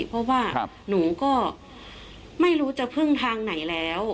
เพราะว่าหนูก็ไม่รู้จะพึ่งทางไหนแล้ว